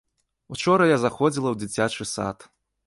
Учора я заходзіла ў дзіцячы сад.